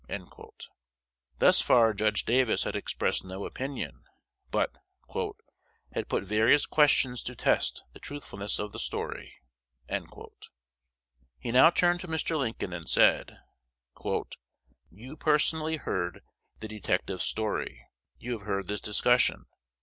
Thus far Judge Davis had expressed no opinion, but "had put various questions to test the truthfulness of the story." He now turned to Mr. Lincoln, and said, "You personally heard the detective's story. You have heard this discussion.